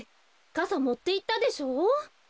かさもっていったでしょ？